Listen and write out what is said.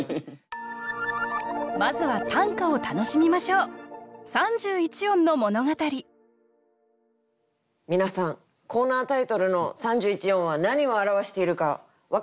まずは短歌を楽しみましょう皆さんコーナータイトルの「三十一音」は何を表しているか分かりますか？